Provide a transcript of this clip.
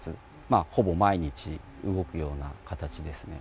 ほぼ毎日、動くような形ですね。